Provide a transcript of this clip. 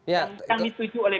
yang disetuju oleh presiden